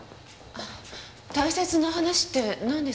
大切な話ってなんですか？